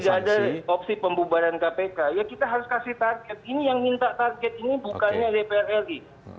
tidak ada opsi pembubaran kpk ya kita harus kasih target ini yang minta target ini bukannya dpr ri